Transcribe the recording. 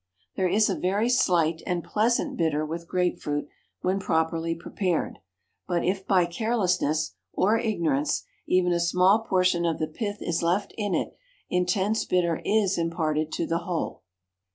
There is a very slight and pleasant bitter with grape fruit when properly prepared, but if by carelessness or ignorance even a small portion of the pith is left in it intense bitter is imparted to the whole.